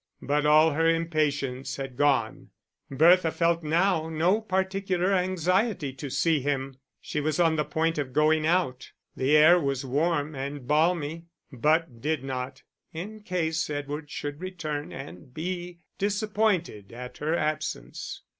But all her impatience had gone; Bertha felt now no particular anxiety to see him. She was on the point of going out the air was warm and balmy but did not, in case Edward should return and be disappointed at her absence.